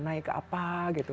naik ke apa gitu